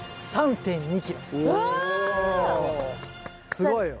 すごいよ。